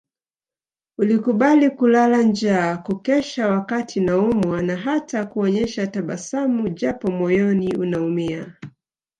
Ulikubali kulala njaa kukesha wakati naumwa na hata kuonyesha tabasamu japo moyoni unaumia